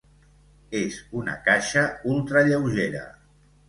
És una caixa ultralleugera.